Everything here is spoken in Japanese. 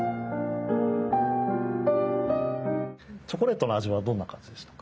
チョコレートの味はどんな感じでしたか？